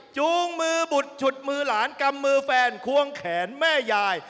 จูงมือบุดฉุดมือหลานกำมือแฟนควงแขนแม่ยาย